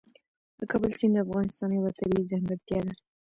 د کابل سیند د افغانستان یوه طبیعي ځانګړتیا ده.